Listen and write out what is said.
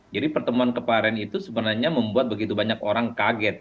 jadi pertemuan kemarin itu sebenarnya membuat begitu banyak orang kaget